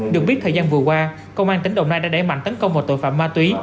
được biết thời gian vừa qua công an tỉnh đồng nai đã đẩy mạnh tấn công vào tội phạm ma túy